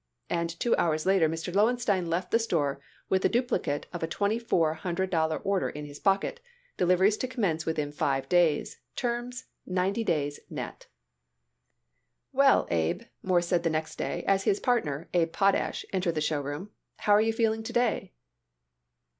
And two hours later Mr. Lowenstein left the store with the duplicate of a twenty four hundred dollar order in his pocket, deliveries to commence within five days; terms, ninety days net. "Well, Abe," Morris said the next day as his partner, Abe Potash, entered the show room, "how are you feeling to day?"